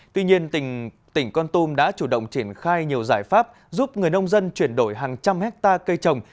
tuy nhiên tỉnh con tum đã chủ động triển khai nhiều giải pháp giúp người nông dân chuyển đổi hàng trăm hectare cây trồng